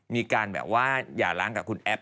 มีการแบบว่าหย่าล้างกับคุณแอฟ